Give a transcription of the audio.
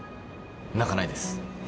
泣かないです。